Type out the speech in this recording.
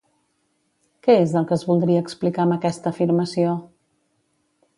Què és el que es voldria explicar amb aquesta afirmació?